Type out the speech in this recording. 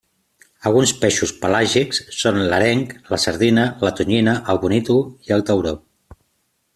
Alguns peixos pelàgics són l'areng, la sardina, la tonyina, el bonítol i el tauró.